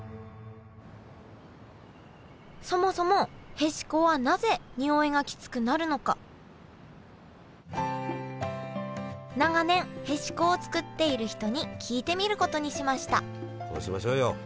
そもそもへしこはなぜにおいがきつくなるのか長年へしこを作っている人に聞いてみることにしました。